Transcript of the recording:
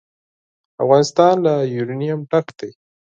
افغانستان له یورانیم ډک دی.